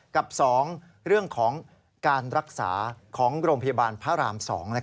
กับ๒เรื่องของการรักษาของโรงพยาบาลพระราม๒